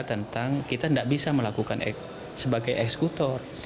tentang kita tidak bisa melakukan sebagai eksekutor